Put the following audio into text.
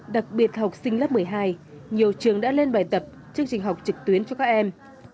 đặc biệt học sinh lớp một mươi hai nhiều trường đã lên bài tập chương trình học trực tuyến cho các em